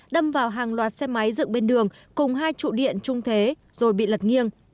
đâm vào hàng loạt xe máy dựng bên đường cùng hai trụ điện trung thế rồi bị lật nghiêng